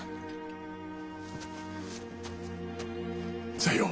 さよう。